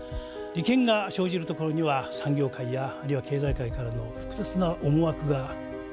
利権が生じるところには産業界やあるいは経済界からの複雑な思惑が絡んでまいります。